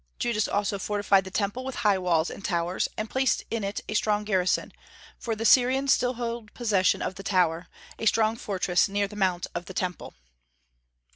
Judas also fortified the Temple with high walls and towers, and placed in it a strong garrison, for the Syrians still held possession of the Tower, a strong fortress near the mount of the Temple.